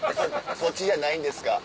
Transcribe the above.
そっちじゃないんですか？」。